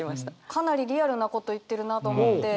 かなりリアルなこと言ってるなと思って。